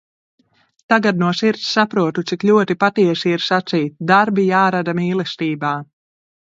Tagad no sirds saprotu, cik ļoti patiesi ir sacīt – darbi jārada mīlestībā.